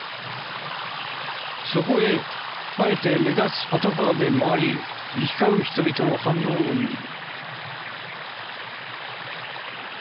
そこへあえて目立つパトカーで回り行き交う人々の反応を見る。